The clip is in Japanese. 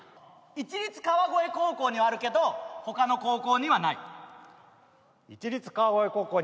市立川越高校にはあるけど他の高校にはない。